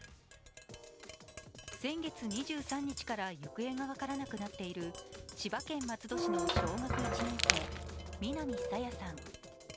先月２３日から行方が分からなくなっている小学１年生・南朝芽さん。